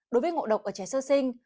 đối với ngộ độc ở trẻ sơ sinh